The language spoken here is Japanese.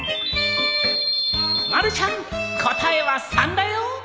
まるちゃん答えは３だよ。